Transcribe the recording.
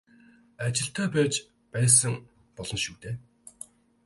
Ажилтай байж байсан болно шүү дээ.